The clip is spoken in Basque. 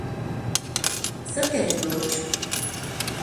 Zerk egin du huts?